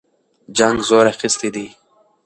جنګ زور اخیستی دی.